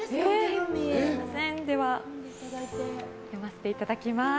読ませていただきます。